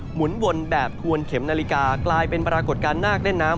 หมุนวนแบบทวนเข็มนาฬิกากลายเป็นปรากฏการณ์นาคเล่นน้ำ